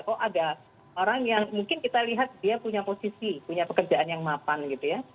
kok ada orang yang mungkin kita lihat dia punya posisi punya pekerjaan yang mapan gitu ya